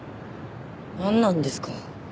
なんなんですか？